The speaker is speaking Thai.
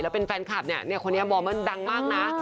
เป็นแฟนคลับเนี่ยคนนี้มองว่าดังมากนะ